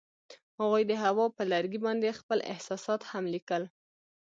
هغوی د هوا پر لرګي باندې خپل احساسات هم لیکل.